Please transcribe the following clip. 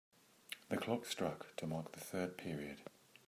The clock struck to mark the third period.